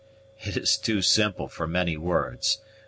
"It is too simple for many words.